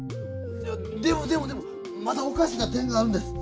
いやでもでもでもまだおかしな点があるんです。